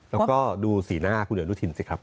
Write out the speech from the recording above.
แล้วก็ดูสีหน้าคุณอนุทินสิครับ